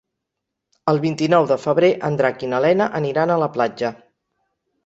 El vint-i-nou de febrer en Drac i na Lena aniran a la platja.